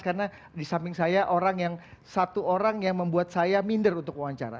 karena di samping saya orang yang satu orang yang membuat saya minder untuk wawancara